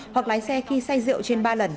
hoặc lái xe khi xe rượu trên ba lần